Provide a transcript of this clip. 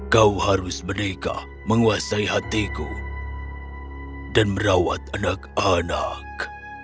kau harus merdeka menguasai hatiku dan merawat anak anak